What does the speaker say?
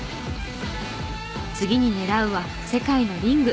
次に狙うは世界のリング！